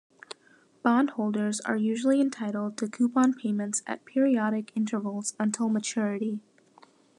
Bond holders are usually entitled to coupon payments at periodic intervals until maturity.